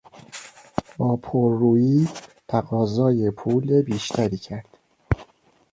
با پر رویی تقاضای پول بیشتری کرد.